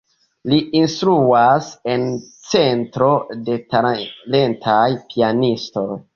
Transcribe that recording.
Li instruas en centro de talentaj pianistoj.